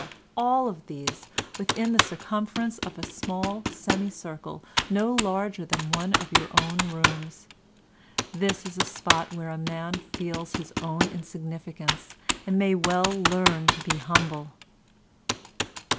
all these within the circumference of a small semi circle no larger than one of your own rooms. This is a spot where a man feels his own insignificance and may well learn to be humble."